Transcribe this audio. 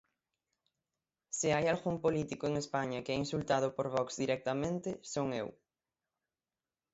Se hai algún político en España que é insultado por Vox directamente, son eu.